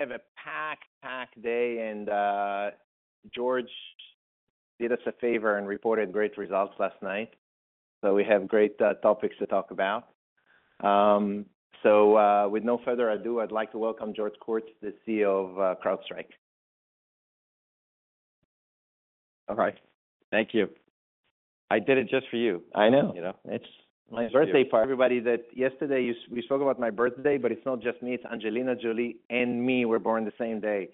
We have a packed, packed day, and George did us a favor and reported great results last night. So we have great topics to talk about. So, with no further ado, I'd like to welcome George Kurtz, the CEO of CrowdStrike. All right. Thank you. I did it just for you. I know. You know, it's- My birthday party Everybody, yesterday we spoke about my birthday, but it's not just me, it's Angelina Jolie and me were born the same day.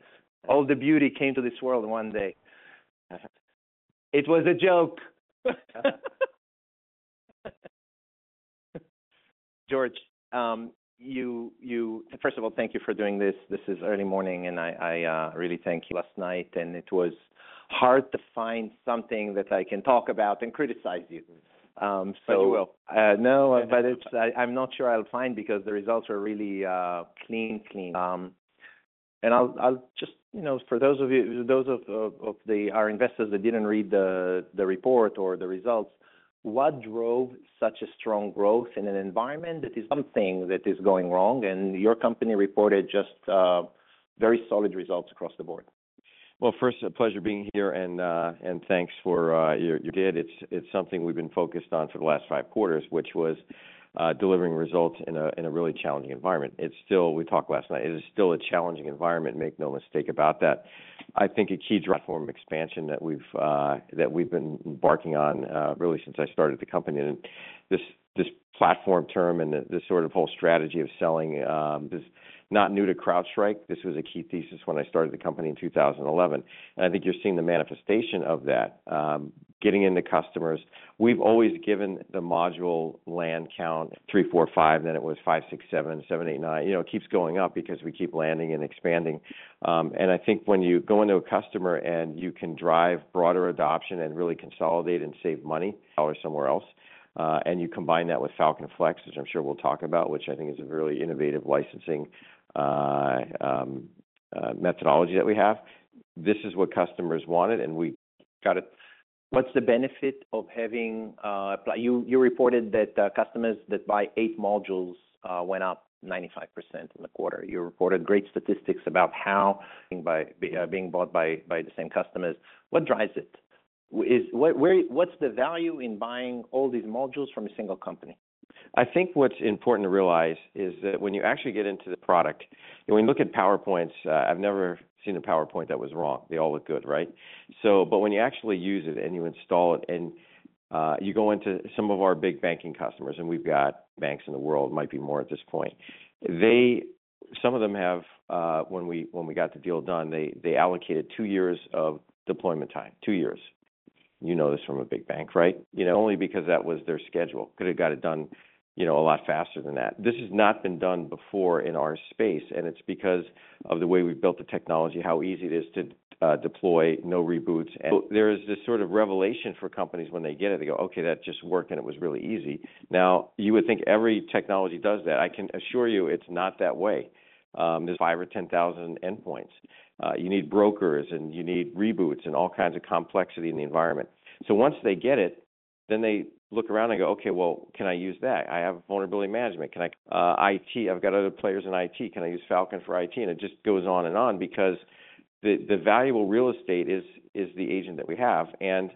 All the beauty came to this world one day. It was a joke. George, first of all, thank you for doing this. This is early morning, and I really thank you last night, and it was hard to find something that I can talk about and criticize you. So- But you will. No, but it's—I, I'm not sure I'll find because the results are really clean, clean. And I'll just, you know, for those of you, those of our investors that didn't read the report or the results, what drove such a strong growth in an environment that is something that is going wrong, and your company reported just very solid results across the board? Well, first, a pleasure being here, and thanks for you did. It's something we've been focused on for the last 5 quarters, which was delivering results in a really challenging environment. It's still... We talked last night. It is still a challenging environment, make no mistake about that. I think a key drive form expansion that we've been embarking on really since I started the company, and this platform term and this sort of whole strategy of selling is not new to CrowdStrike. This was a key thesis when I started the company in 2011, and I think you're seeing the manifestation of that, getting into customers. We've always given the module land count 3, 4, 5, then it was 5, 6, 7, 7, 8, 9. You know, it keeps going up because we keep landing and expanding. I think when you go into a customer and you can drive broader adoption and really consolidate and save money or somewhere else, and you combine that with Falcon Flex, as I'm sure we'll talk about, which I think is a really innovative licensing methodology that we have. This is what customers wanted, and we got it. What's the benefit of having. You reported that customers that buy 8 modules went up 95% in the quarter. You reported great statistics about how by being bought by the same customers. What drives it? Where, where, what's the value in buying all these modules from a single company? I think what's important to realize is that when you actually get into the product, and when you look at PowerPoints, I've never seen a PowerPoint that was wrong. They all look good, right? So but when you actually use it and you install it and, you go into some of our big banking customers, and we've got banks in the world, might be more at this point, they... Some of them have, when we, when we got the deal done, they, they allocated two years of deployment time. Two years. You know this from a big bank, right? You know, only because that was their schedule. Could have got it done, you know, a lot faster than that. This has not been done before in our space, and it's because of the way we've built the technology, how easy it is to, deploy, no reboots. So there is this sort of revelation for companies when they get it. They go, "Okay, that just worked, and it was really easy." Now, you would think every technology does that. I can assure you it's not that way. There's 5 or 10 thousand endpoints. You need brokers, and you need reboots and all kinds of complexity in the environment. So once they get it, then they look around and go, "Okay, well, can I use that? I have vulnerability management. Can I IT, I've got other players in IT. Can I use Falcon for IT?" And it just goes on and on because the, the valuable real estate is, is the agent that we have. And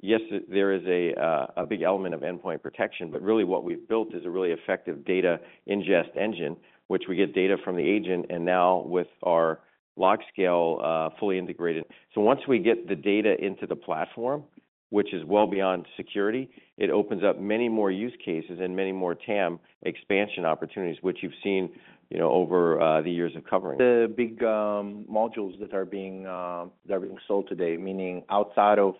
yes, there is a big element of endpoint protection, but really what we've built is a really effective data ingest engine, which we get data from the agent and now with our LogScale, fully integrated. So once we get the data into the platform, which is well beyond security, it opens up many more use cases and many more TAM expansion opportunities, which you've seen, you know, over the years of covering. The big modules that are being sold today, meaning outside of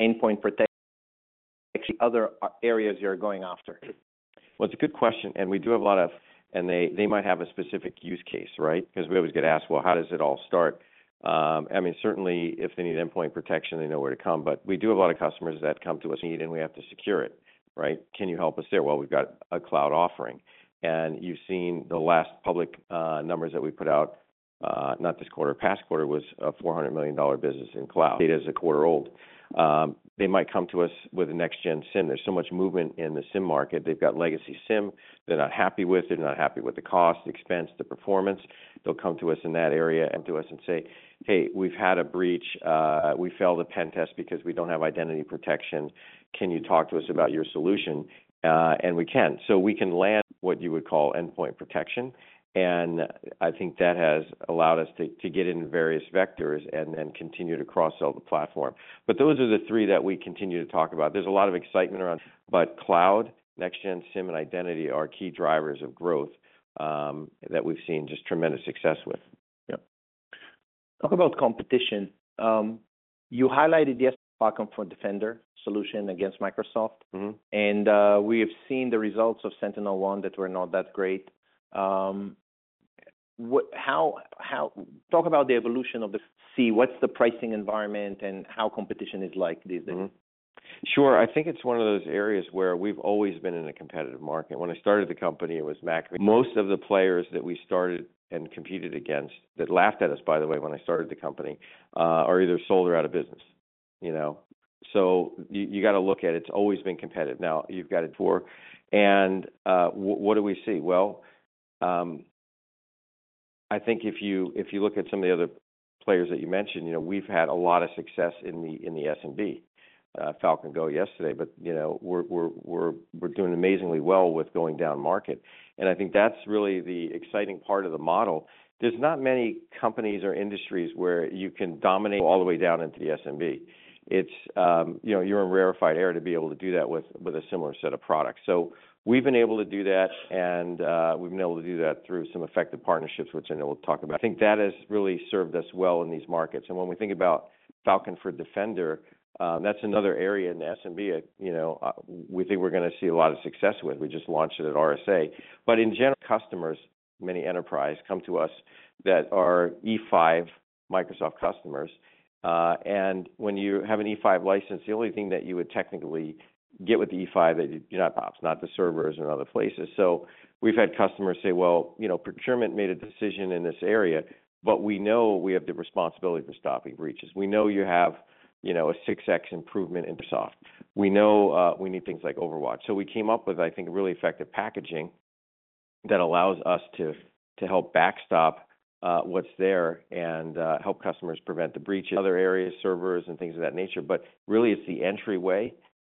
endpoint protection, other areas you're going after. Well, it's a good question, and we do have a lot of... And they, they might have a specific use case, right? 'Cause we always get asked, "Well, how does it all start?" I mean, certainly, if they need endpoint protection, they know where to come, but we do have a lot of customers that come to us need, and we have to secure it, right? "Can you help us there?" Well, we've got a cloud offering, and you've seen the last public numbers that we put out, not this quarter, past quarter, was a $400 million business in cloud. Data is a quarter old. They might come to us with a next-gen SIEM. There's so much movement in the SIEM market. They've got legacy SIEM. They're not happy with it. They're not happy with the cost, the expense, the performance. They'll come to us in that area and come to us and say, "Hey, we've had a breach. We failed a pen test because we don't have identity protection. Can you talk to us about your solution?" And we can. So we can land what you would call endpoint protection, and I think that has allowed us to, to get into various vectors and then continue to cross-sell the platform. But those are the three that we continue to talk about. There's a lot of excitement around, but cloud, next-gen SIEM, and identity are key drivers of growth, that we've seen just tremendous success with. Yep. Talk about competition. You highlighted yesterday, Falcon for Defender solution against Microsoft. We have seen the results of SentinelOne that were not that great. Talk about the evolution of the... So what's the pricing environment and how competition is like these days? Sure. I think it's one of those areas where we've always been in a competitive market. When I started the company, it was Mac. Most of the players that we started and competed against, that laughed at us, by the way, when I started the company, are either sold or out of business... you know? So you got to look at it, it's always been competitive. Now, you've got four. And, what do we see? Well, I think if you, if you look at some of the other players that you mentioned, you know, we've had a lot of success in the, in the SMB. Falcon Go yesterday, but, you know, we're doing amazingly well with going down market, and I think that's really the exciting part of the model. There's not many companies or industries where you can dominate all the way down into the SMB. It's, you know, you're in rarefied air to be able to do that with, with a similar set of products. So we've been able to do that, and, we've been able to do that through some effective partnerships, which I know we'll talk about. I think that has really served us well in these markets. And when we think about Falcon for Defender, that's another area in the SMB, you know, we think we're gonna see a lot of success with. We just launched it at RSA. But in general, customers, many enterprise, come to us that are E5 Microsoft customers. And when you have an E5 license, the only thing that you would technically get with the E5 is NetOps, not the servers and other places. So we've had customers say, "Well, you know, procurement made a decision in this area, but we know we have the responsibility for stopping breaches. We know you have, you know, a 6x improvement in Microsoft. We know we need things like OverWatch." So we came up with, I think, a really effective packaging that allows us to help backstop what's there and help customers prevent the breach in other areas, servers, and things of that nature. But really, it's the entryway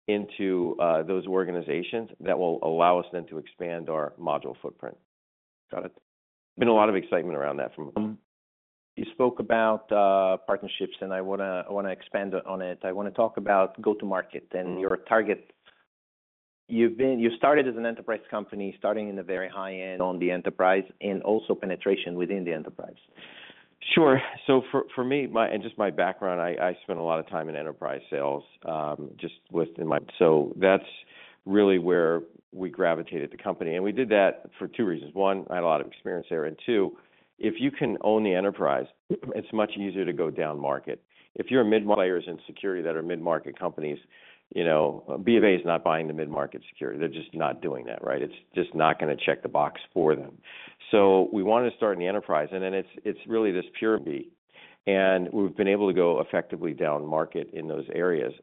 into those organizations that will allow us then to expand our module footprint. Got it. Been a lot of excitement around that from- You spoke about partnerships, and I wanna, I wanna expand on it. I wanna talk about go-to-market-... and your target. You started as an enterprise company, starting in the very high end on the enterprise, and also penetration within the enterprise. Sure. So for me, my background, I spent a lot of time in enterprise sales, just within my—so that's really where we gravitated the company. And we did that for two reasons: one, I had a lot of experience there, and two, if you can own the enterprise, it's much easier to go down market. If you're a mid-market players in security that are mid-market companies, you know, BofA is not buying the mid-market security. They're just not doing that, right? It's just not gonna check the box for them. So we wanted to start in the enterprise, and then it's really this pure B, and we've been able to go effectively down market in those areas.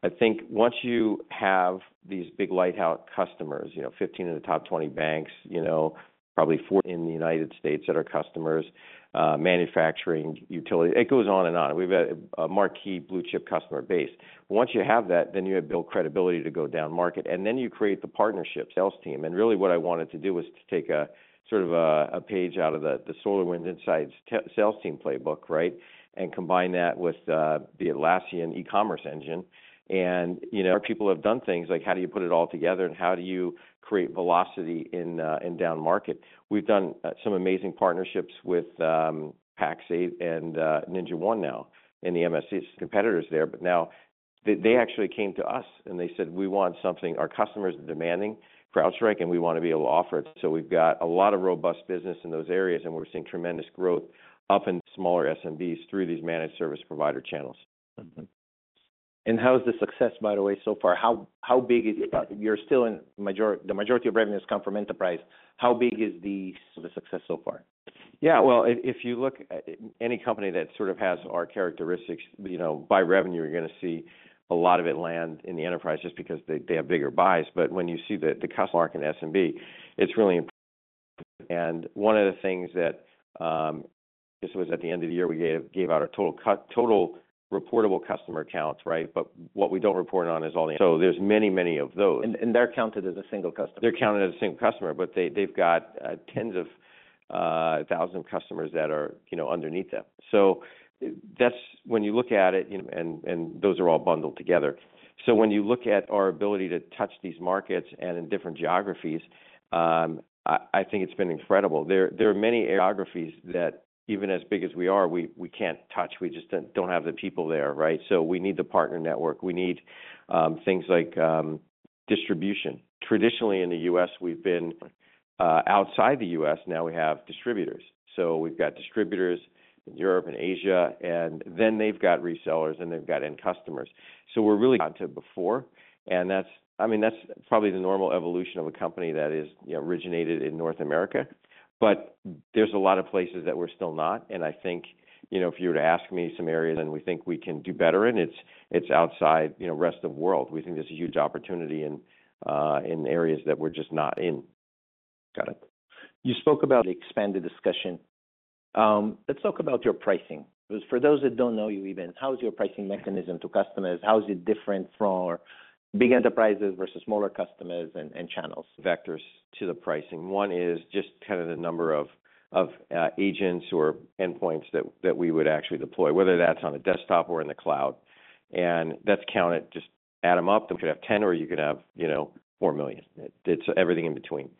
I think once you have these big lighthouse customers, you know, 15 of the top 20 banks, you know, probably 40 in the United States that are customers, manufacturing, utility, it goes on and on. We've got a marquee blue chip customer base. Once you have that, then you have built credibility to go down market, and then you create the partnership sales team. And really, what I wanted to do was to take a sort of a page out of the SolarWinds sales team playbook, right? And combine that with the Atlassian e-commerce engine. And, you know, people have done things like how do you put it all together, and how do you create velocity in in down market? We've done some amazing partnerships with Pax8 and NinjaOne now, and the MSP competitors there. But now, they actually came to us, and they said, "We want something our customers are demanding for CrowdStrike, and we wanna be able to offer it." So we've got a lot of robust business in those areas, and we're seeing tremendous growth up in smaller SMBs through these managed service provider channels. And how is the success, by the way, so far? How, how big is it? You're still in majority - the majority of revenues come from enterprise. How big is the success so far? Yeah, well, if you look at any company that sort of has our characteristics, you know, by revenue, you're gonna see a lot of it land in the enterprise just because they have bigger buys. But when you see the customer market in SMB, it's really... And one of the things that this was at the end of the year, we gave out our total reportable customer accounts, right? But what we don't report on is all the—so there's many, many of those. They're counted as a single customer? They're counted as a single customer, but they've got tens of thousands of customers that are, you know, underneath them. So that's when you look at it, and those are all bundled together. So when you look at our ability to touch these markets and in different geographies, I think it's been incredible. There are many geographies that even as big as we are, we can't touch. We just don't have the people there, right? So we need the partner network. We need things like distribution. Traditionally, in the U.S., we've been outside the U.S., now we have distributors. So we've got distributors in Europe and Asia, and then they've got resellers, and they've got end customers. So we're really onto before, and that's—I mean, that's probably the normal evolution of a company that is, you know, originated in North America. But there's a lot of places that we're still not, and I think, you know, if you were to ask me some areas and we think we can do better in, it's, it's outside, you know, rest of the world. We think there's a huge opportunity in, in areas that we're just not in. Got it. You spoke about the expanded discussion. Let's talk about your pricing. Because for those that don't know you even, how is your pricing mechanism to customers? How is it different from big enterprises versus smaller customers and channels? Vectors to the pricing. One is just kind of the number of agents or endpoints that we would actually deploy, whether that's on a desktop or in the cloud. And that's counted, just add them up. You could have 10, or you could have, you know, 4 million. It's everything in between.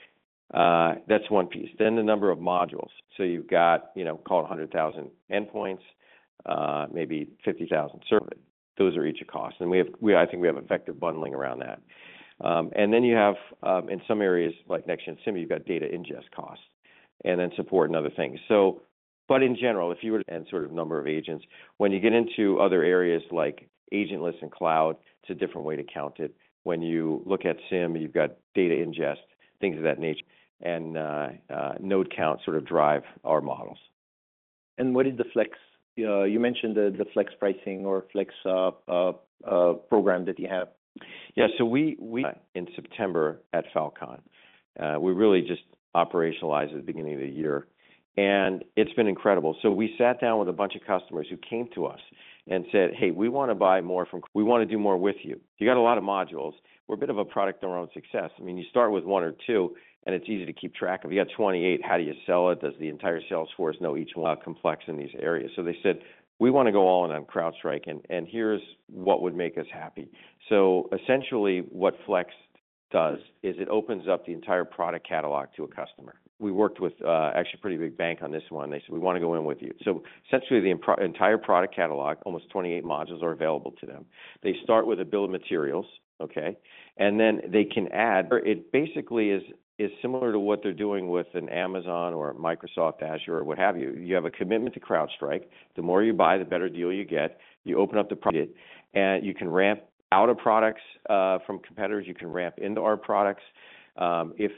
That's one piece. Then the number of modules. So you've got, you know, call it 100,000 endpoints, maybe 50,000 servers. Those are each a cost, and I think we have effective bundling around that. And then you have, in some areas, like next-gen SIEM, you've got data ingest costs, and then support and other things. But in general, if you were to... Sort of number of agents, when you get into other areas like agentless and cloud, it's a different way to count it. When you look at SIEM, you've got data ingest, things of that nature, and node count sort of drive our models. What is the Flex? You mentioned the Flex pricing or Flex program that you have. Yeah. So in September at Falcon, we really just operationalized at the beginning of the year, and it's been incredible. So we sat down with a bunch of customers who came to us and said, "Hey, we wanna buy more from-- We wanna do more with you. You got a lot of modules." We're a bit of a product of our own success. I mean, you start with one or two, and it's easy to keep track of. You got 28, how do you sell it? Does the entire sales force know each one- complex in these areas? So they said, "We wanna go all in on CrowdStrike, and, and here's what would make us happy." So essentially, what Flex does is it opens up the entire product catalog to a customer. We worked with, actually, a pretty big bank on this one, and they said: "We wanna go in with you." So essentially, the entire product catalog, almost 28 modules, are available to them. They start with a bill of materials, okay? And then they can add... It basically is similar to what they're doing with an Amazon or a Microsoft Azure or what have you. You have a commitment to CrowdStrike. The more you buy, the better deal you get. You open up the product, and you can ramp out of products from competitors, you can ramp into our products. You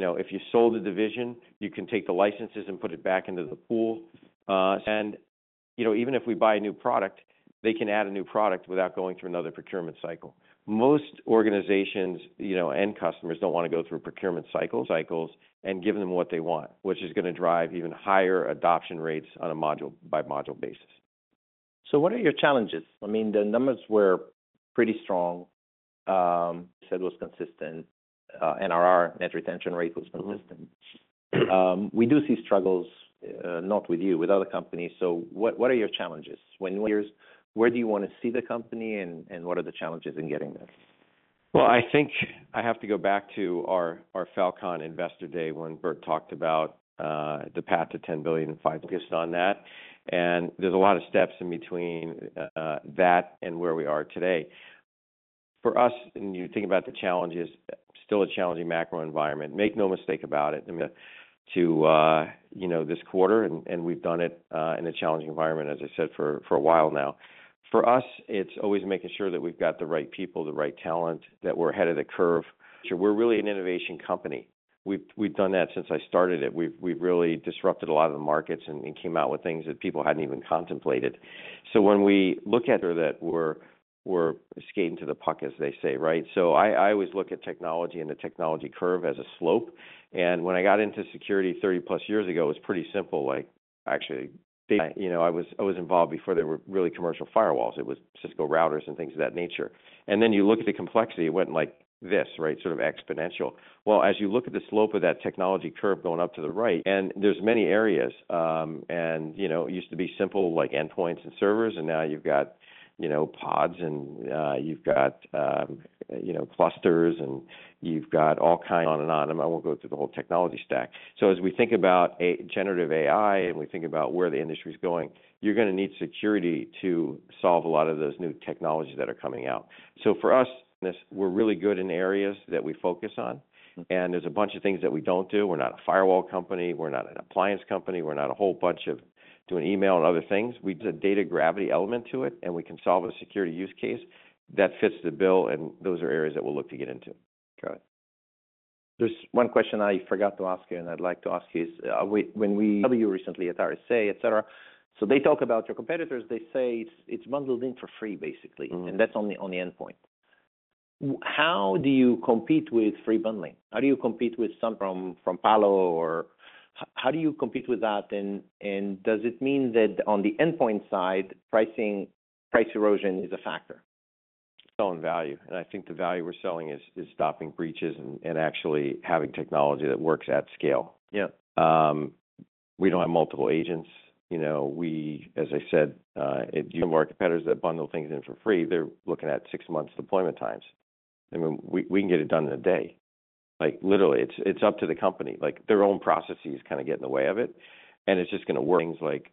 know, if you sold a division, you can take the licenses and put it back into the pool. And, you know, even if we buy a new product, they can add a new product without going through another procurement cycle. Most organizations, you know, end customers, don't wanna go through procurement cycles, and giving them what they want, which is gonna drive even higher adoption rates on a module-by-module basis. What are your challenges? I mean, the numbers were pretty strong. You said it was consistent, NRR, Net Retention Rate, was consistent. We do see struggles, not with you, with other companies. So what are your challenges? Where do you wanna see the company, and what are the challenges in getting there? Well, I think I have to go back to our Falcon Investor Day when Burt talked about the path to $10 billion and five—focused on that, and there's a lot of steps in between that and where we are today. For us, when you think about the challenges, still a challenging macro environment. Make no mistake about it, I mean, you know, this quarter, and we've done it in a challenging environment, as I said, for a while now. For us, it's always making sure that we've got the right people, the right talent, that we're ahead of the curve. We're really an innovation company. We've done that since I started it. We've really disrupted a lot of the markets and came out with things that people hadn't even contemplated. So when we look at-... that we're skating to the puck, as they say, right? So I always look at technology and the technology curve as a slope, and when I got into security 30+ years ago, it was pretty simple, like, actually, you know, I was involved before there were really commercial firewalls. It was Cisco routers and things of that nature. And then you look at the complexity, it went like this, right? Sort of exponential. Well, as you look at the slope of that technology curve going up to the right, and there's many areas, and, you know, it used to be simple, like endpoints and servers, and now you've got, you know, pods and, you've got, you know, clusters, and you've got all kinds... On and on, and I won't go through the whole technology stack. So as we think about a generative AI, and we think about where the industry is going, you're gonna need security to solve a lot of those new technologies that are coming out. So for us, we're really good in areas that we focus on. There's a bunch of things that we don't do. We're not a firewall company, we're not an appliance company, we're not a whole bunch of doing email and other things. There's a data gravity element to it, and we can solve a security use case that fits the bill, and those are areas that we'll look to get into. Got it. There's one question I forgot to ask you, and I'd like to ask is, when we recently at RSA, et cetera. So they talk about your competitors, they say it's bundled in for free, basically. That's on the endpoint. How do you compete with free bundling? How do you compete with some from Palo or... How do you compete with that, and does it mean that on the endpoint side, price erosion is a factor? Selling value, and I think the value we're selling is stopping breaches and actually having technology that works at scale. Yeah. We don't have multiple agents. You know, we... As I said, some of our competitors that bundle things in for free, they're looking at six months deployment times. I mean, we, we can get it done in a day. Like, literally, it's, it's up to the company. Like, their own processes kinda get in the way of it, and it's just gonna work. Things like,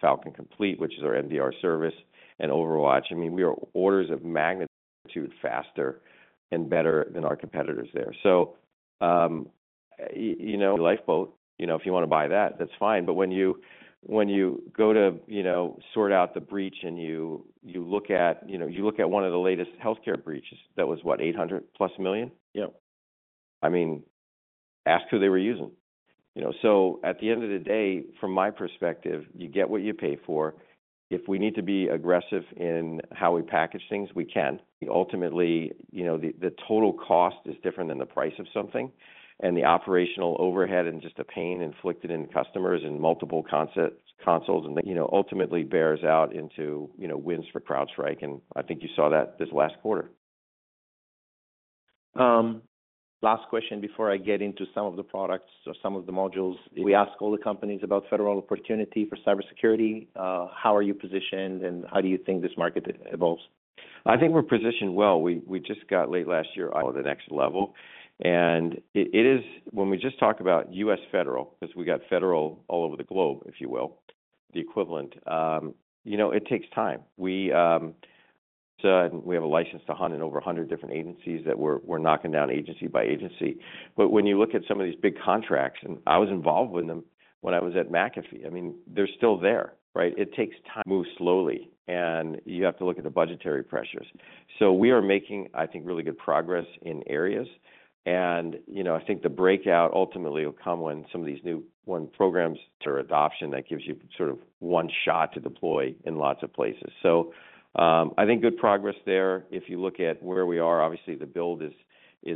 Falcon Complete, which is our MDR service, and Overwatch, I mean, we are orders of magnitude faster and better than our competitors there. So, you know, lifeboat, you know, if you wanna buy that, that's fine, but when you, when you go to, you know, sort out the breach and you, you look at, you know, you look at one of the latest healthcare breaches, that was what? $800+ million? Yeah. I mean, ask who they were using. You know, so at the end of the day, from my perspective, you get what you pay for. If we need to be aggressive in how we package things, we can. Ultimately, you know, the total cost is different than the price of something, and the operational overhead and just the pain inflicted on customers and multiple consoles, and, you know, ultimately bears out into, you know, wins for CrowdStrike, and I think you saw that this last quarter. Last question before I get into some of the products or some of the modules. We ask all the companies about federal opportunity for cybersecurity. How are you positioned, and how do you think this market evolves? I think we're positioned well. We just got late last year the next level, and it is when we just talk about U.S. federal, 'cause we got federal all over the globe, if you will, the equivalent. You know, it takes time. So we have a license to hunt in over 100 different agencies that we're knocking down agency by agency. But when you look at some of these big contracts, and I was involved with them when I was at McAfee, I mean, they're still there, right? It takes time, move slowly, and you have to look at the budgetary pressures. So we are making, I think, really good progress in areas. You know, I think the breakout ultimately will come when some of these new programs or adoption that gives you sort of one shot to deploy in lots of places. So, I think good progress there. If you look at where we are, obviously, the build is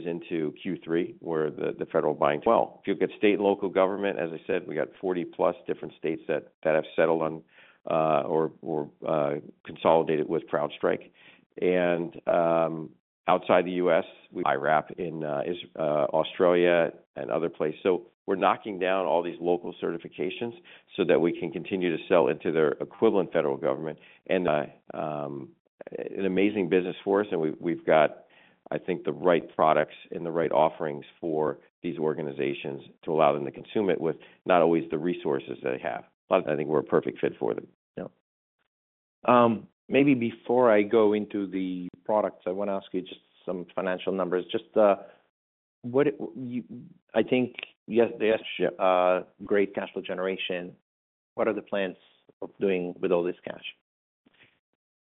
into Q3, where the federal buying. Well, if you look at state and local government, as I said, we got 40+ different states that have settled on, or consolidated with CrowdStrike. Outside the U.S., IRAP in Australia and other places. So we're knocking down all these local certifications so that we can continue to sell into their equivalent federal government. An amazing business for us, and we've got, I think, the right products and the right offerings for these organizations to allow them to consume it with not always the resources they have. But I think we're a perfect fit for them. Yeah. Maybe before I go into the products, I wanna ask you just some financial numbers. Just, what, I think yes, there's great cash flow generation. What are the plans of doing with all this cash?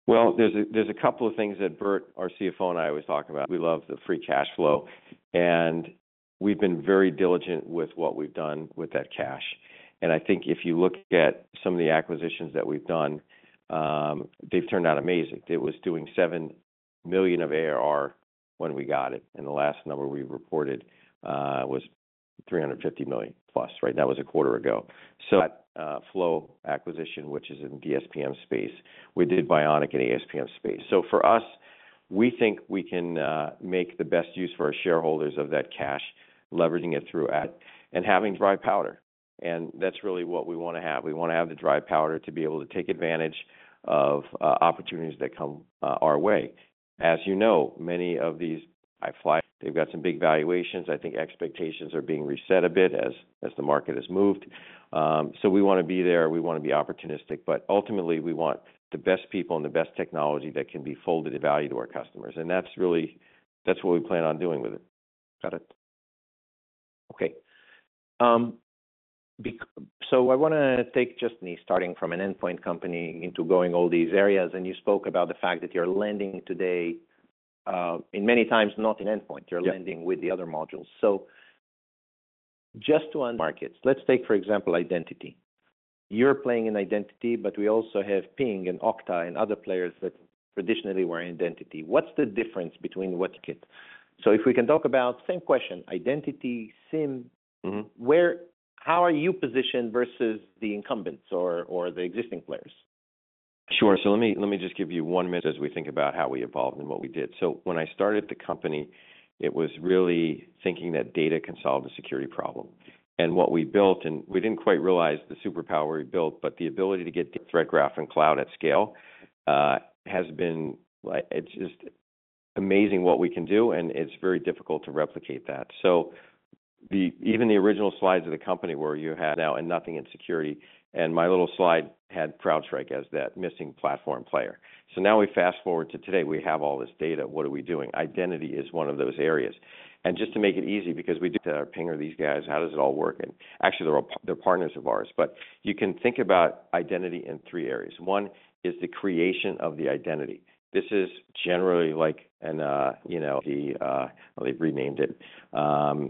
Well, there's a couple of things that Burt, our CFO, and I always talk about. We love the free cash flow, and we've been very diligent with what we've done with that cash. And I think if you look at some of the acquisitions that we've done, they've turned out amazing. It was doing $7 million of ARR when we got it, and the last number we reported was $350 million+, right? That was a quarter ago. So that Flow acquisition, which is in the DSPM space, we did Bionic in ASPM space. So for us, we think we can make the best use for our shareholders of that cash, leveraging it through M&A and having dry powder. And that's really what we wanna have. We wanna have the dry powder to be able to take advantage of opportunities that come our way. As you know, many of these, they've got some big valuations. I think expectations are being reset a bit as the market has moved. So we wanna be there, we wanna be opportunistic, but ultimately, we want the best people and the best technology that can be folded to value to our customers. And that's really... That's what we plan on doing with it. Got it. Okay. So I wanna take just me starting from an endpoint company into going all these areas, and you spoke about the fact that you're leading today, in many times, not in endpoint. Yeah. You're blending with the other modules. So just the end markets, let's take, for example, identity. You're playing in identity, but we also have Ping and Okta and other players that traditionally were in identity. What's the difference between what is it? So if we can talk about, same question, identity, SIEM- How are you positioned versus the incumbents or the existing players? Sure. So let me, let me just give you one minute as we think about how we evolved and what we did. So when I started the company, it was really thinking that data can solve a security problem. And what we built, and we didn't quite realize the superpower we built, but the ability to get Threat Graph and cloud at scale has been, like... It's just amazing what we can do, and it's very difficult to replicate that. So the even the original slides of the company where you had now and nothing in security, and my little slide had CrowdStrike as that missing platform player. So now we fast forward to today, we have all this data. What are we doing? Identity is one of those areas. And just to make it easy because we do to our Ping or these guys, how does it all work? And actually, they're partners of ours. But you can think about identity in three areas. One is the creation of the identity. This is generally like an, you know, the... they've renamed it.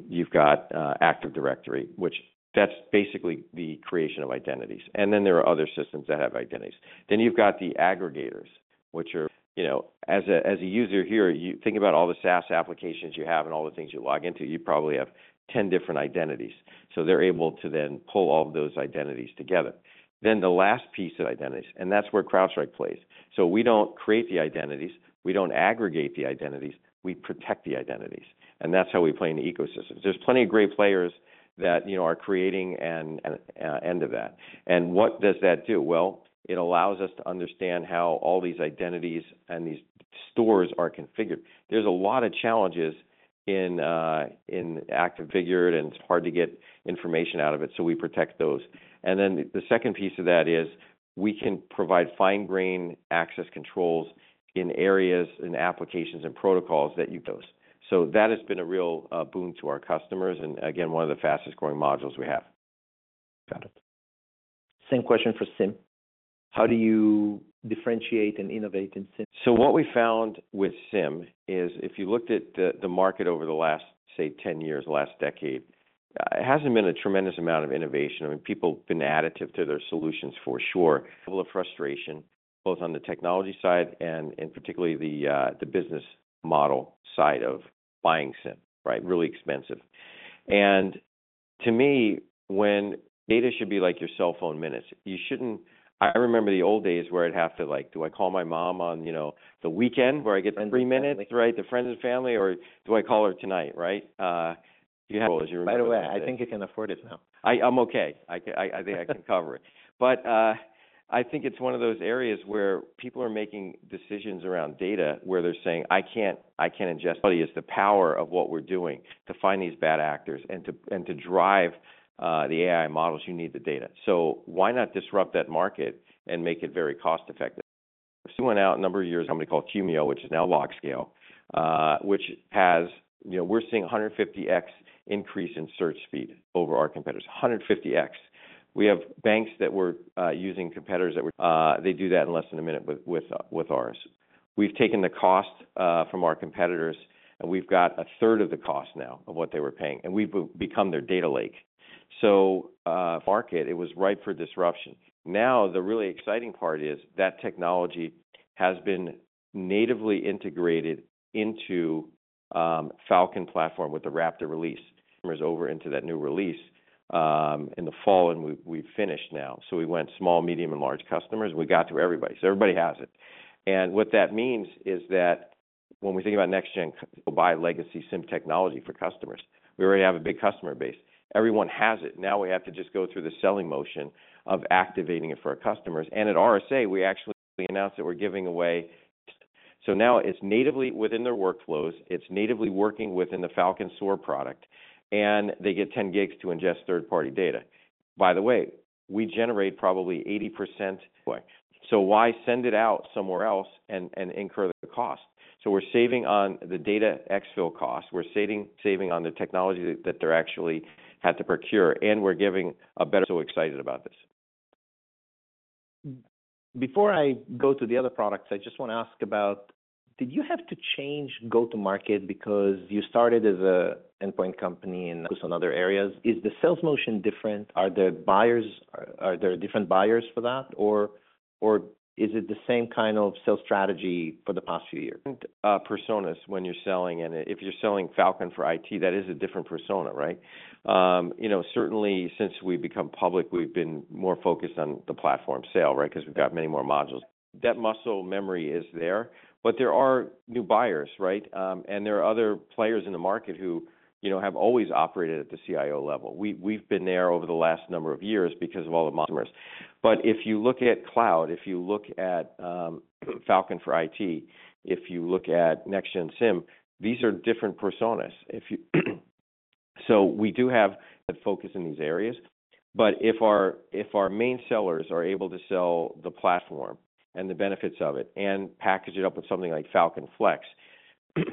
You've got Active Directory, which that's basically the creation of identities, and then there are other systems that have identities. Then you've got the aggregators, which are, you know, as a user here, you think about all the SaaS applications you have and all the things you log into, you probably have 10 different identities. So they're able to then pull all those identities together. Then the last piece of identities, and that's where CrowdStrike plays. So we don't create the identities, we don't aggregate the identities, we protect the identities, and that's how we play in the ecosystems. There's plenty of great players that, you know, are creating and end of that. And what does that do? Well, it allows us to understand how all these identities and these stores are configured. There's a lot of challenges in, in Active Directory, and it's hard to get information out of it, so we protect those. And then the second piece of that is, we can provide fine-grained access controls in areas, in applications, and protocols that you don't. So that has been a real boon to our customers, and again, one of the fastest-growing modules we have. Got it. Same question for SIEM. How do you differentiate and innovate in SIEM? So what we found with SIEM is if you looked at the market over the last, say, 10 years, last decade, it hasn't been a tremendous amount of innovation. I mean, people have been additive to their solutions for sure. Level of frustration, both on the technology side and particularly the business model side of buying SIEM, right? Really expensive. And to me, when data should be like your cell phone minutes, you shouldn't—I remember the old days where I'd have to like, do I call my mom on, you know, the weekend where I get the free minutes, right? Friends and family. The friends and family, or do I call her tonight, right? You have- By the way, I think you can afford it now. I'm okay. I can. I think I can cover it. But, I think it's one of those areas where people are making decisions around data, where they're saying, "I can't, I can't ingest..." Is the power of what we're doing to find these bad actors, and to drive the AI models, you need the data. So why not disrupt that market and make it very cost-effective? We went out a number of years, a company called Humio, which is now LogScale, which has, you know, we're seeing a 150x increase in search speed over our competitors. 150x. We have banks that were using competitors that were... They do that in less than a minute with ours. We've taken the cost from our competitors, and we've got a third of the cost now of what they were paying, and we've become their data lake. So, market, it was ripe for disruption. Now, the really exciting part is that technology has been natively integrated into Falcon platform with the Raptor release. Over into that new release, in the fall, and we've finished now. So we went small, medium, and large customers. We got through everybody, so everybody has it. And what that means is that when we think about next-gen SIEM, go buy legacy SIEM technology for customers. We already have a big customer base. Everyone has it. Now we have to just go through the selling motion of activating it for our customers. And at RSA, we actually announced that we're giving away... So now it's natively within their workflows, it's natively working within the Falcon SOAR product, and they get 10 GB to ingest third-party data. By the way, we generate probably 80%. Way. So why send it out somewhere else and incur the cost? So we're saving on the data exfil cost, we're saving on the technology that they actually had to procure, and we're giving a better... So excited about this. Before I go to the other products, I just wanna ask about, did you have to change go-to-market because you started as an endpoint company and focus on other areas? Is the sales motion different? Are there different buyers for that, or is it the same kind of sales strategy for the past few years? Different personas when you're selling, and if you're selling Falcon for IT, that is a different persona, right? You know, certainly, since we've become public, we've been more focused on the platform sale, right? 'Cause we've got many more modules. That muscle memory is there, but there are new buyers, right? And there are other players in the market who, you know, have always operated at the CIO level. We, we've been there over the last number of years because of all the customers. But if you look at cloud, if you look at Falcon for IT, if you look at Next-Gen SIEM, these are different personas. So we do have that focus in these areas, but if our, if our main sellers are able to sell the platform and the benefits of it and package it up with something like Falcon Flex,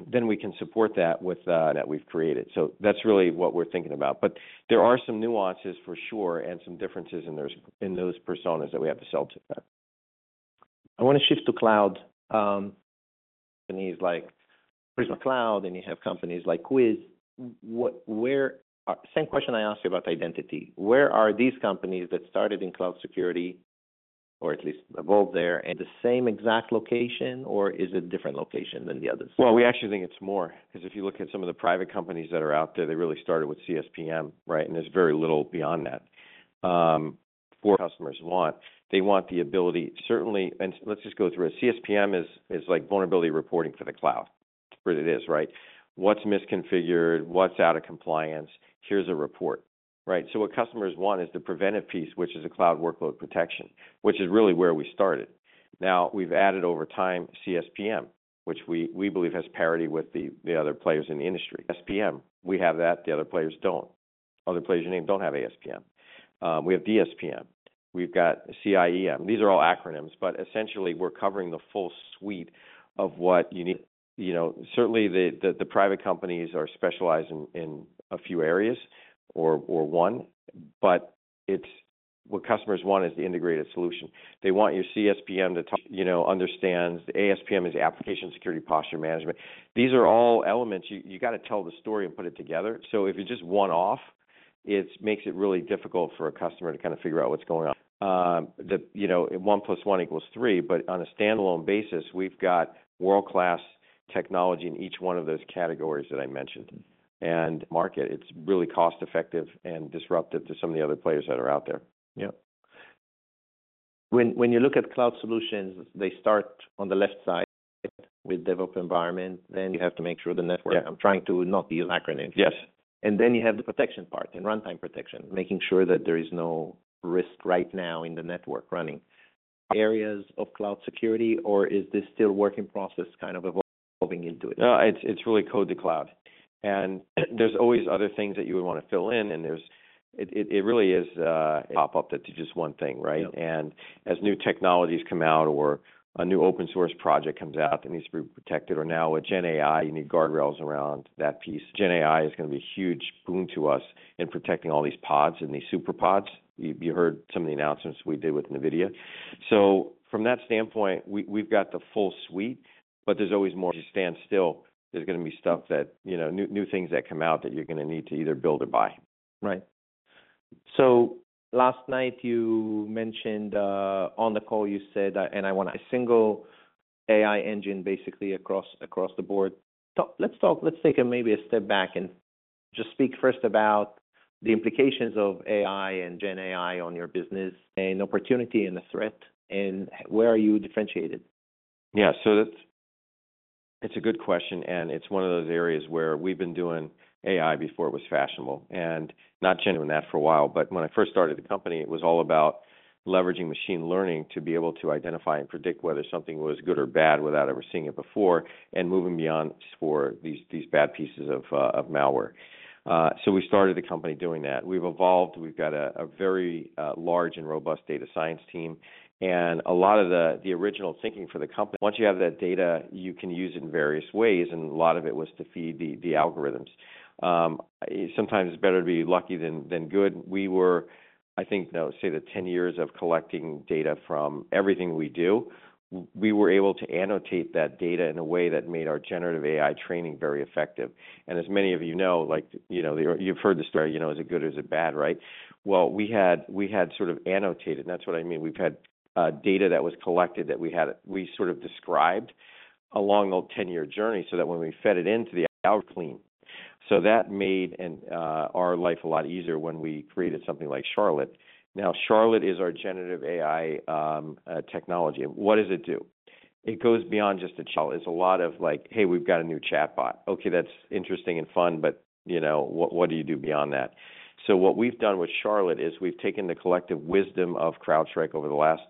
then we can support that with that we've created. So that's really what we're thinking about. But there are some nuances, for sure, and some differences in those, in those personas that we have to sell to. I wanna shift to cloud. Companies like Prisma Cloud, and you have companies like Wiz. Same question I asked you about identity. Where are these companies that started in cloud security, or at least evolved there, in the same exact location, or is it a different location than the others? Well, we actually think it's more, 'cause if you look at some of the private companies that are out there, they really started with CSPM, right? And there's very little beyond that for customers want. They want the ability, certainly, and let's just go through it. CSPM is like vulnerability reporting for the cloud. That's what it is, right? So what customers want is the preventive piece, which is a cloud workload protection, which is really where we started. Now, we've added over time, CSPM, which we believe has parity with the other players in the industry. DSPM, we have that, the other players don't. Other players you named don't have ASPM. We have DSPM. We've got CIEM. These are all acronyms, but essentially, we're covering the full suite of what you need. You know, certainly, the private companies are specialized in a few areas or one, but it's... What customers want is the integrated solution. They want your CSPM to, you know, understands... ASPM is Application Security Posture Management. These are all elements. You gotta tell the story and put it together. So if you're just one-off, it makes it really difficult for a customer to kinda figure out what's going on. You know, one plus one equals three, but on a standalone basis, we've got world-class technology in each one of those categories that I mentioned. And market, it's really cost-effective and disruptive to some of the other players that are out there. Yeah. When you look at cloud solutions, they start on the left side with dev op environment, then you have to make sure the network- Yeah. I'm trying to not use acronyms. Yes. Then you have the protection part and runtime protection, making sure that there is no risk right now in the network running. Areas of cloud security, or is this still a work in progress, kind of evolving into it? No, it's really code to cloud. And there's always other things that you would wanna fill in, and there's... It really is not up to just one thing, right? Yeah. And as new technologies come out or a new open source project comes out that needs to be protected, or now with GenAI, you need guardrails around that piece. GenAI is gonna be a huge boon to us in protecting all these pods and these super pods. You, you heard some of the announcements we did with NVIDIA. So from that standpoint, we, we've got the full suite, but there's always more to stand still. There's gonna be stuff that, you know, new, new things that come out that you're gonna need to either build or buy. Right. So last night, you mentioned on the call, you said, and I want a single AI engine basically across, across the board. Let's talk, let's take a maybe a step back and just speak first about the implications of AI and GenAI on your business, and opportunity and the threat, and where are you differentiated? Yeah. So that's, it's a good question, and it's one of those areas where we've been doing AI before it was fashionable, and not generating that for a while, but when I first started the company, it was all about leveraging machine learning to be able to identify and predict whether something was good or bad without ever seeing it before, and moving beyond just for these bad pieces of malware. So we started the company doing that. We've evolved. We've got a very large and robust data science team, and a lot of the original thinking for the company. Once you have that data, you can use it in various ways, and a lot of it was to feed the algorithm. Sometimes it's better to be lucky than good. We were, I think, now, say, the 10 years of collecting data from everything we do. We were able to annotate that data in a way that made our generative AI training very effective. And as many of you know, like, you know, you've heard the story, you know, is it good or is it bad, right? Well, we had, we had sort of annotated. That's what I mean. We've had data that was collected, that we had we sort of described along the 10-year journey, so that when we fed it into the clean. So that made and our life a lot easier when we created something like Charlotte. Now, Charlotte is our generative AI technology. What does it do? It goes beyond just a chat. It's a lot of like, "Hey, we've got a new chatbot." Okay, that's interesting and fun, but, you know, what, what do you do beyond that? So what we've done with Charlotte is we've taken the collective wisdom of CrowdStrike over the last,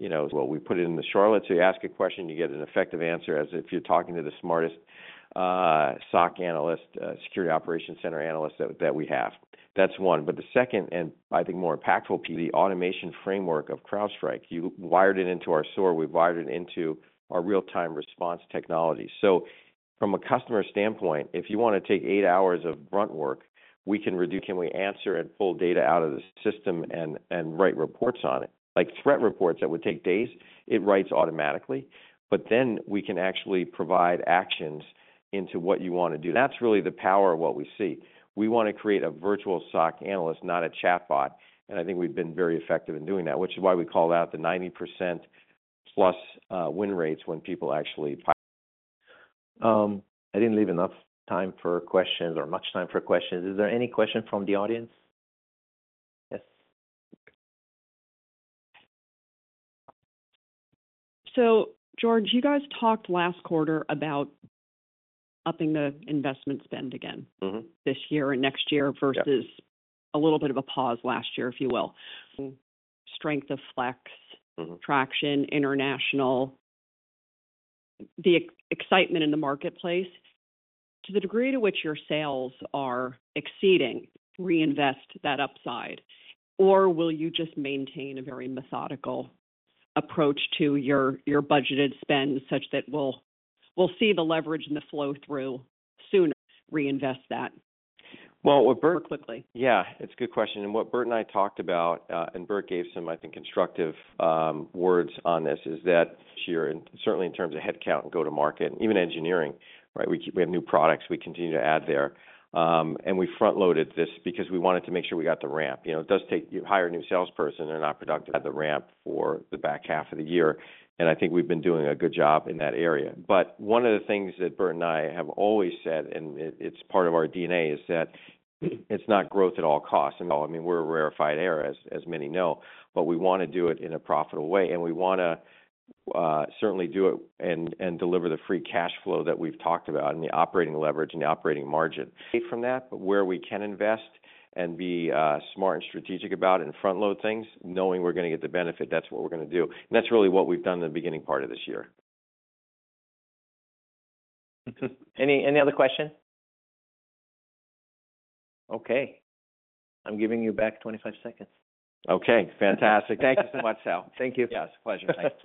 you know, well, we put it in the Charlotte. So you ask a question, you get an effective answer, as if you're talking to the smartest, SOC analyst, Security Operations Center analyst that, that we have. That's one. But the second, and I think more impactful piece, the automation framework of CrowdStrike. You wired it into our SOAR, we wired it into our real-time response technology. So from a customer standpoint, if you want to take 8 hours of grunt work, we can reduce... Can we answer and pull data out of the system and, and write reports on it? Like threat reports, that would take days, it writes automatically. But then we can actually provide actions into what you want to do. That's really the power of what we see. We want to create a virtual SOC analyst, not a chatbot, and I think we've been very effective in doing that, which is why we call out the 90%+ win rates when people actually. I didn't leave enough time for questions or much time for questions. Is there any question from the audience? Yes. So, George, you guys talked last quarter about upping the investment spend again- this year and next year versus Yeah. a little bit of a pause last year, if you will. Strength of Flex- traction, international, the excitement in the marketplace. To the degree to which your sales are exceeding, reinvest that upside, or will you just maintain a very methodical approach to your budgeted spend, such that we'll see the leverage and the flow through sooner, reinvest that? Well, what Burt- Quickly. Yeah, it's a good question. And what Burt and I talked about, and Burt gave some, I think, constructive words on this, is that here, and certainly in terms of headcount and go-to-market and even engineering, right? We have new products, we continue to add there. And we front-loaded this because we wanted to make sure we got the ramp. You know, it does take... You hire a new salesperson, they're not productive at the ramp for the back half of the year, and I think we've been doing a good job in that area. But one of the things that Burt and I have always said, and it, it's part of our DNA, is that it's not growth at all costs. And I mean, we're a rarefied air, as, as many know, but we want to do it in a profitable way, and we want to certainly do it and deliver the free cash flow that we've talked about and the operating leverage and the operating margin. From that, but where we can invest and be smart and strategic about it and front-load things, knowing we're going to get the benefit, that's what we're going to do. And that's really what we've done in the beginning part of this year. Any, any other question? Okay, I'm giving you back 25 seconds. Okay, fantastic. Thank you so much, Saul. Thank you. Yes, pleasure. Thanks.